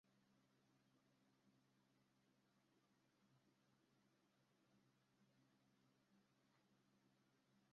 tano kati ya tano ya siku zimechezwa bila kitu